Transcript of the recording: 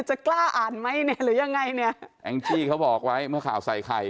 จะกล้าอ่านไหมเนี่ยหรือยังไงเนี่ยแองจี้เขาบอกไว้เมื่อข่าวใส่ไข่